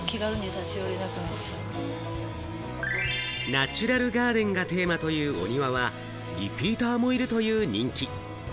ナチュラルガーデンがテーマというお庭は、リピーターもいるという人気。